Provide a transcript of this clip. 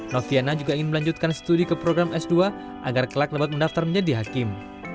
noviana juga ingin melanjutkan studi ke program s dua agar kelak dapat mendaftar menjadi hakim